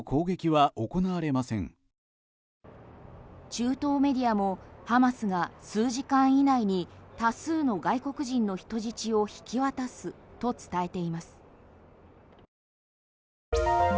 中東メディアもハマスが数時間以内に多数の外国人の人質を引き渡すと伝えています。